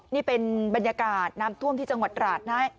นี่เป็นบรรยากาศน้ำท่วมที่จังหวัดราชนะ